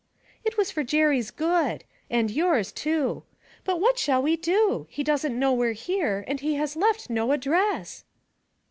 'It was for Jerry's good and yours too. But what shall we do? He doesn't know we're here and he has left no address.'